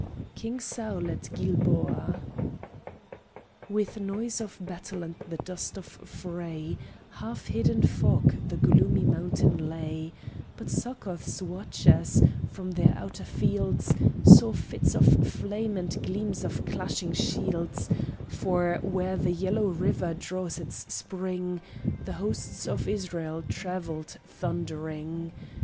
King Saul at Gilboa With noise of battle and the dust of fray, Half hid in fog, the gloomy mountain lay; But Succoth's watchers, from their outer fields, Saw fits of flame and gleams of clashing shields; For, where the yellow river draws its spring, The hosts of Israel travelled, thundering!